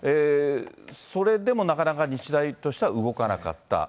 それでもなかなか日大としては動かなかった。